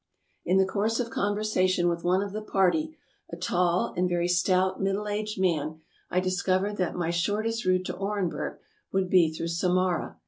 In the course of conversation with one of the party, a tall and very stout middle aged man, I discovered that my short est route to Orenburg would be through Samara.